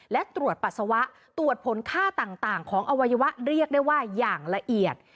และตรวจปัสสาวะตรวจผลค่าต่างของอวัยวะเรียกได้ว่าอย่างละเอียด